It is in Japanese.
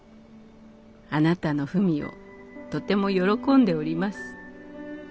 あなたの文をとても喜んでおります」。